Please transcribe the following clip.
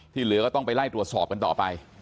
เหลือก็ต้องไปไล่ตรวจสอบกันต่อไป